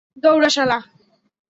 দৌড়া, শালা!